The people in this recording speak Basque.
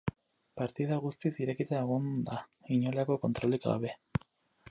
Partida guztiz irekita egon da, inolako kontrolik gabe.